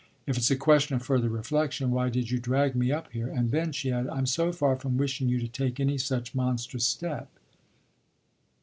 If it's a question of further reflexion why did you drag me up here? And then," she added, "I'm so far from wishing you to take any such monstrous step."